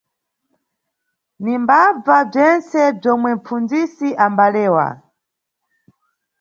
Nimbabva bzentse bzomwe mʼpfundzisi ambalewa.